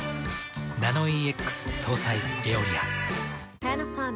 ナノイーＸ搭載「エオリア」。